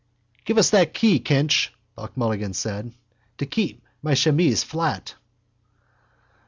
—Give us that key, Kinch, Buck Mulligan said, to keep my chemise flat.